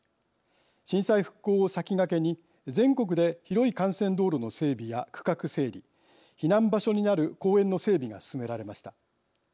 震災復興を先駆けに全国で広い幹線道路の整備や区画整理避難場所になる公園の整備が進められました。